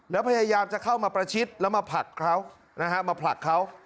แล้วพยายามจะเข้ามาประชิดแล้วมาผลักเขา